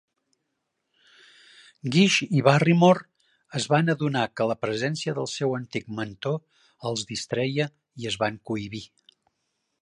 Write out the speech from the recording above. Gish i Barrymore es van adonar que la presència del seu antic mentor els distreia i es van cohibir.